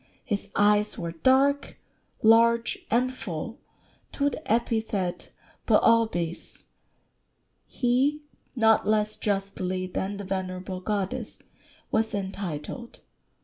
His eyes were dark, large, and full to the epithet [Greek: boôpis] he, not less justly than the venerable goddess, was entitled.